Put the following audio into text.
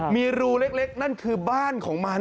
มีรูเล็กนั่นคือบ้านของมัน